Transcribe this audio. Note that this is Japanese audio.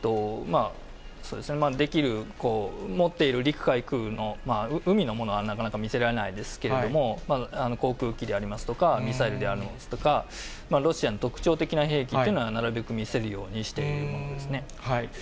できる、持っている陸海空の、海のものはなかなか見せられないですけれども、航空機でありますとか、ミサイルでありますとか、ロシアの特徴的な兵器というのは、なるべく見せるようにしているものですね。